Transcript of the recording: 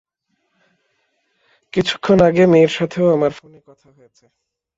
কিছুক্ষণ আগে মেয়ের সাথেও আমার ফোনে কথা হয়েছে।